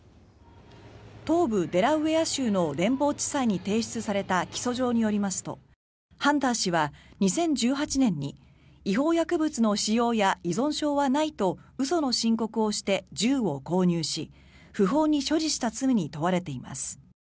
東部デラウェア州の連邦地裁に提出された起訴状によりますとハンター氏は２０１８年に違法薬物の使用や依存症はないと嘘の申告をして銃を購入し不法に所持した罪に問われています。